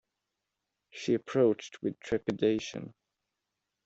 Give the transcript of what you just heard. She approached with trepidation